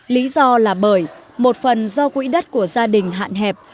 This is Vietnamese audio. lý do là bởi một phần do quỹ đất của gia đình hạn hẹp